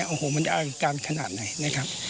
มันจะอาจจะเป็นการขนาดไหนนะครับ